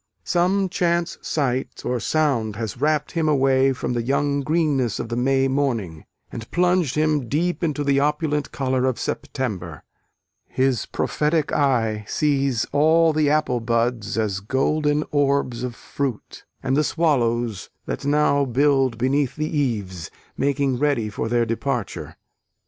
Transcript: Some chance sight or sound has wrapt him away from the young greenness of the May morning, and plunged him deep into the opulent colour of September. His prophetic eye sees all the apple buds as golden orbs of fruit, and the swallows, that now build beneath the eaves, making ready for their departure.